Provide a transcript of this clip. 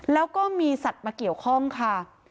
แล้วก็มีสัตว์มาเกี่ยวข้องค่ะ